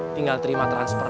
tinggal terima transfer